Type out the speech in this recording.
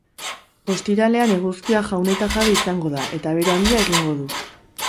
Ostiralean eguzkia jaun eta jabe izango da eta bero handia egingo du.